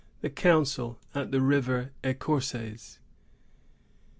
THE COUNCIL AT THE RIVER ECORCES.